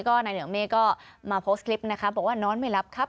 นายเหนือเม่นี่ก็มาโพสต์คลิปบอกว่านอนไม่รับครับ